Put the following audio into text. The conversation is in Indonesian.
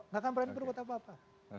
tidak akan berhenti berhutang apa apa